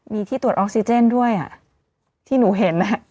มีที่ตรวจออกซิเจนด้วยที่หนูเห็น